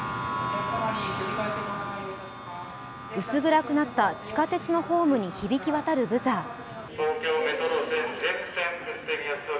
薄暗くなった地下鉄のホームに響き渡るブザー。